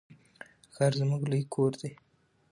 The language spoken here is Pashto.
ښار زموږ لوی کور دی.